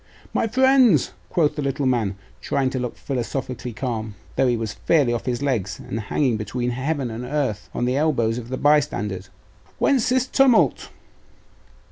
'My friends,' quoth the little man, trying to look philosophically calm, though he was fairly off his legs, and hanging between heaven and earth on the elbows of the bystanders, 'whence this tumult?